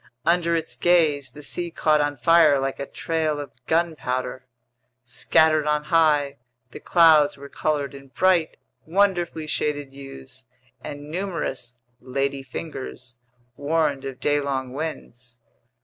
Under its gaze, the sea caught on fire like a trail of gunpowder. Scattered on high, the clouds were colored in bright, wonderfully shaded hues, and numerous "ladyfingers" warned of daylong winds.